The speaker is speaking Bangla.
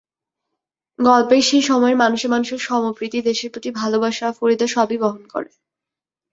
গল্পের সেই সময়ের মানুষে মানুষে সম্প্রীতি, দেশের প্রতি ভালোবাসা—ফরিদা সবই বহন করে।